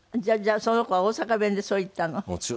じゃあその子は大阪弁でそう言ったの？